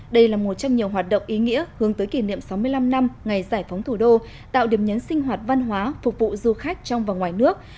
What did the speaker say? đây là một trong nhiều hoạt động ý nghĩa hướng tới kỷ niệm sáu mươi năm năm ngày giải phóng thủ đô tạo điểm nhấn sinh hoạt văn hóa phục vụ du khách trong và ngoài nước